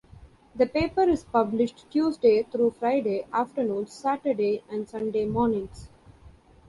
The paper is published Tuesday through Friday afternoons, Saturday and Sunday mornings.